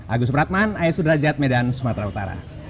agus pratman ayat sudrajat medan sumatera utara